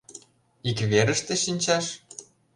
— Ик верыште шинчаш?